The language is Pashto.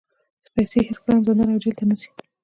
پیسې هېڅکله هم زندان او جېل ته نه ځي.